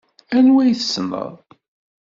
Anwa i tessneḍ?